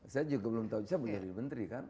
saya juga belum tahu saya beli dari menteri kan